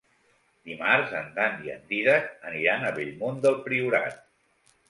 Dimarts en Dan i en Dídac aniran a Bellmunt del Priorat.